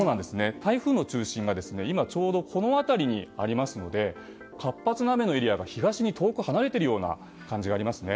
台風の中心が今ちょうどこの辺りにありますので活発な雨のエリアが東に遠く離れている感じがありますね。